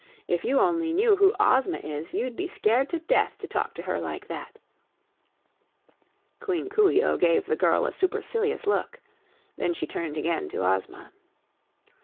If you only knew who Ozma is you'd be scared to death to talk to her like that!" Queen Coo ee oh gave the girl a supercilious look. Then she turned again to Ozma.